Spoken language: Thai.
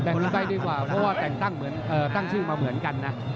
แต่งขึ้นไปดีกว่าเพราะว่าแต่งตั้งชื่อมาเหมือนกันนะ